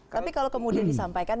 tapi kalau kemudian disampaikan